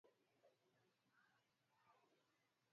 bahari ya bara na kwamba kidogo kidogo ilikuwa